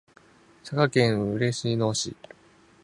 佐賀県嬉野市